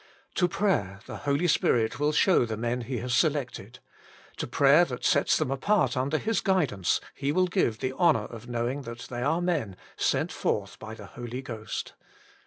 To prayer the Holy Spirit will show the men He has selected ; to prayer that sets them apart under His guidance He will give the honour of knowing that they are men, " sent forth by the Holy Ghost."